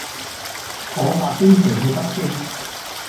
我下星期去北京